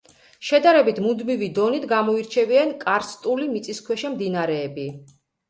შედარებით მუდმივი დონით გამოირჩევიან კარსტული მიწისქვეშა მდინარეები.